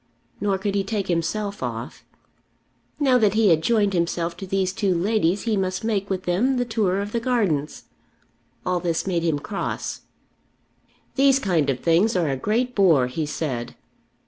Nor could he take himself off. Now that he had joined himself to these two ladies he must make with them the tour of the gardens. All this made him cross. "These kind of things are a great bore," he said.